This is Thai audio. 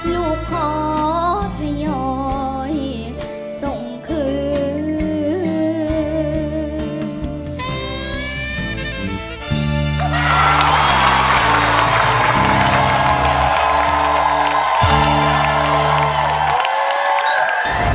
ลูกขอทยอยส่งคืน